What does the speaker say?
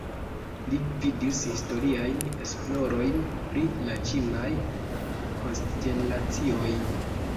Li gvidis historiajn esplorojn pri la ĉinaj konstelacioj.